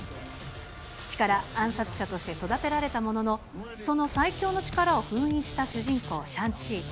父から暗殺者として育てられたものの、その最強の力を封印した主人公、シャン・チー。